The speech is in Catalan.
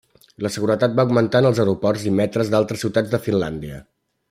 La seguretat va augmentar en els aeroports i metres d'altres ciutats de Finlàndia.